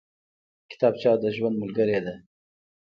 کتابچه د ژوند ملګرې ده